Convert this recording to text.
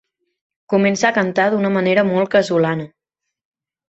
Comença a cantar d'una manera molt casolana.